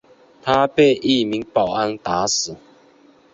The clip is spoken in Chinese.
他被一名保安打死。